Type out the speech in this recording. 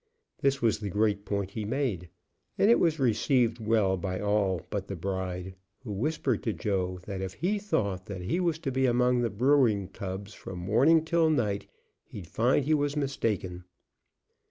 This was the great point he made, and it was received well by all but the bride, who whispered to Joe that if he thought that he was to be among the brewing tubs from morning till night he'd find he was mistaken.